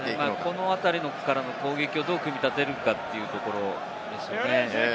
このあたりからの攻撃をどう組み立てるかということですね。